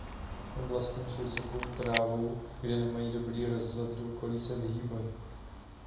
Oblastem s vysokou trávou kde nemají dobrý rozhled do okolí se vyhýbají.